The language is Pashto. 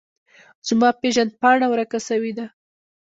زما پیژند پاڼه ورکه سویده